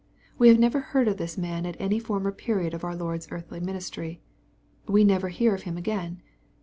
We have never heard of this man at any former period of our Lord's earthly ministry. We never hear of him again.